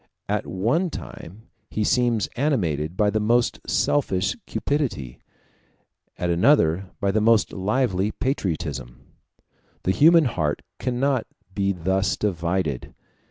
At one time he seems animated by the most selfish cupidity, at another by the most lively patriotism. The human heart cannot be thus divided.